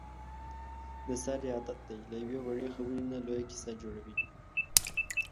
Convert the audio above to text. د سارې عادت دی له یوې وړې خبرې نه لویه کیسه جوړوي.